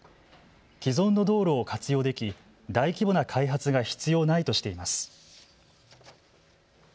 既存の道路を活用でき大規模な開発が必要ないとしています。